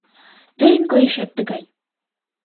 Тыйын койышет тыгай.